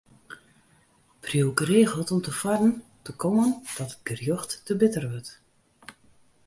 Priuw geregeld om te foaren te kommen dat it gerjocht te bitter wurdt.